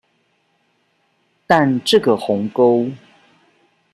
但這個鴻溝